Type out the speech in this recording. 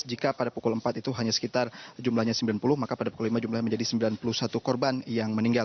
jika pada pukul empat itu hanya sekitar jumlahnya sembilan puluh maka pada pukul lima jumlahnya menjadi sembilan puluh satu korban yang meninggal